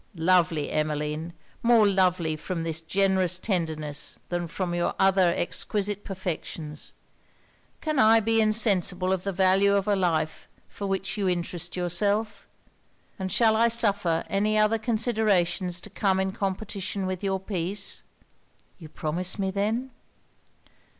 lovely Emmeline! more lovely from this generous tenderness than from your other exquisite perfections; can I be insensible of the value of a life for which you interest yourself? and shall I suffer any other consideration to come in competition with your peace?' 'You promise me then?'